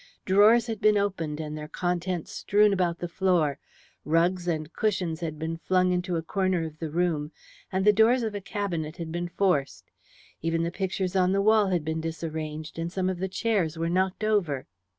Drawers had been opened and their contents strewn about the floor, rugs and cushions had been flung into a corner of the room, and the doors of a cabinet had been forced. Even the pictures on the wall had been disarranged, and some of the chairs were knocked over.